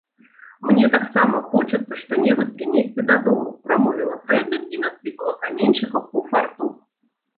- Мне таксама хочацца што-небудзь прынесці дадому, - прамовіла Грэтэль і насыпала каменьчыкаў у фартух